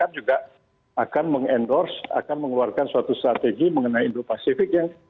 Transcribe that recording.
kita juga akan meng endorse akan mengeluarkan suatu strategi mengenai indo pasifik